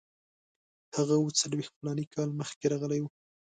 هغه اوه څلوېښت فلاني کاله مخکې راغلی وو.